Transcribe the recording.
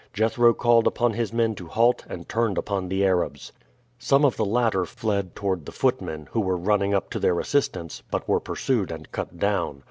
Jethro called upon his men to halt and turned upon the Arabs. Some of the latter fled toward the footmen, who were running up to their assistance, but were pursued and cut down.